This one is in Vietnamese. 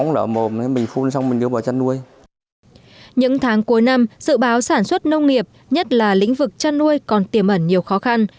những tháng cuối năm dự báo sản xuất nông nghiệp nhất là lĩnh vực chăn nuôi còn tiềm ẩn nhiều khó khăn